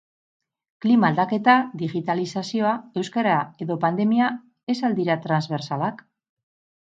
Klima-aldaketa, digitalizazioa, euskara edo pandemia ez al dira transbertsalak?